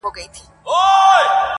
د رنځورو زګېروي ځي له ربابونو-